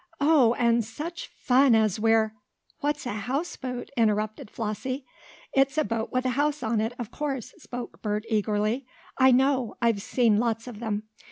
Oh! and such fun as we're " "What's a houseboat?" interrupted Flossie. "It's a boat with a house on it, of course," spoke Bert, eagerly. "I know. I've seen lots of them.